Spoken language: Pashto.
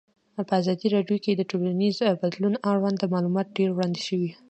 په ازادي راډیو کې د ټولنیز بدلون اړوند معلومات ډېر وړاندې شوي.